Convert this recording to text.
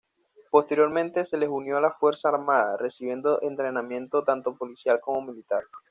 Posteriormente se los unió a la Fuerza Armada, recibiendo entrenamiento tanto policial como militar.